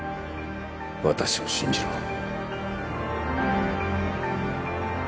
私を信じろ